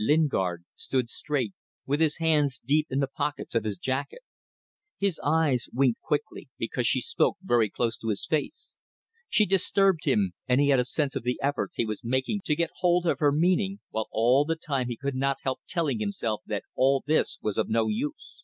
Lingard stood straight, with his hands deep in the pockets of his jacket. His eyes winked quickly, because she spoke very close to his face. She disturbed him and he had a sense of the efforts he was making to get hold of her meaning, while all the time he could not help telling himself that all this was of no use.